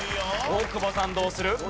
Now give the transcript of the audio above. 大久保さんどうする？